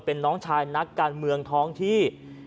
เป็นน้องชายนักการเมืองท้องที่